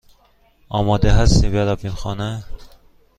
آماده هستی برویم خانه؟